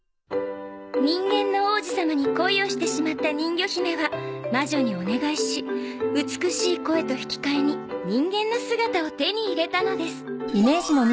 「人間の王子様に恋をしてしまった人魚姫は魔女にお願いし美しい声と引き換えに人間の姿を手に入れたのです」